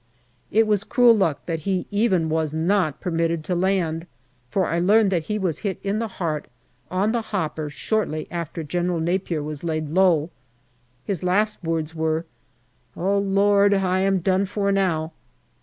It was cruel luck that he even was not permitted to land, for I learn that he was hit in the heart on the hopper shortly after General Napier was laid low. His last words were, "Oh, Lord! I am done for now."